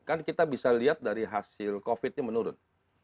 kan kita bisa lihat dari hasil covid nya menurun